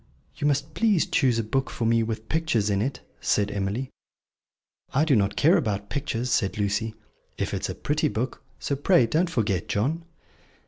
"You must please choose a book for me with pictures in it," said Emily. "I do not care about pictures," said Lucy, "if it is a pretty book. So pray don't forget, John."